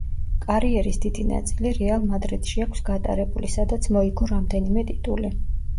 კარიერის დიდი ნაწილი „რეალ მადრიდში“ აქვს გატარებული, სადაც მოიგო რამდენიმე ტიტული.